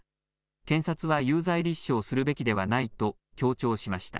検察は有罪立証するべきではないと強調しました。